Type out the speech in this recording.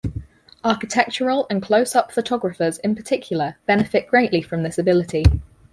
Architectural and close-up photographers in particular benefit greatly from this ability.